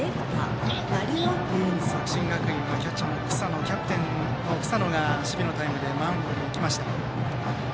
作新学院は、キャッチャーキャプテンの草野が守備のタイムでマウンドに行きました。